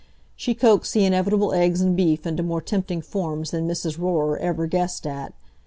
She coaxed the inevitable eggs and beef into more tempting forms than Mrs. Rorer ever guessed at.